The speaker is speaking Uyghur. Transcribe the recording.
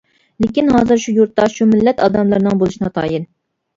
لېكىن ھازىر شۇ يۇرتتا شۇ مىللەت ئادەملىرىنىڭ بولۇشى ناتايىن.